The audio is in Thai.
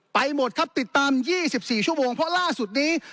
หมดครับติดตาม๒๔ชั่วโมงเพราะล่าสุดนี้